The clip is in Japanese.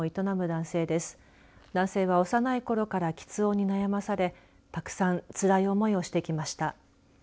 男性は幼いころからきつ音に悩まされたくさんつらい思いをしてきました。